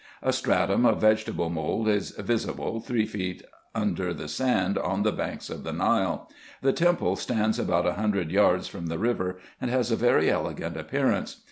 A stratum of vegetable mould is visible, three feet under the sand on the banks of the Nile. The temple stands about a hundred yards from the river, and has a very elegant appearance.